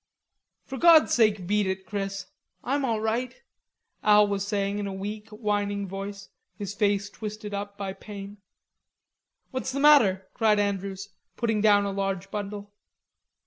"For God's sake beat it, Chris. I'm all right," Al was saying in a weak, whining voice, his face twisted up by pain. "What's the matter?" cried Andrews, putting down a large bundle.